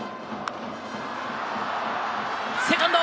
セカンド！